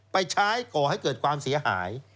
ไปใช้ก่อให้เกิดความเสียหาย